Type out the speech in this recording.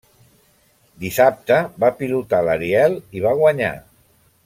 Dissabte va pilotar l'Ariel i va guanyar.